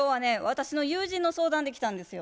私の友人の相談で来たんですよ。